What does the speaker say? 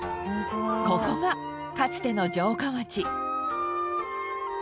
ここがかつての城下町。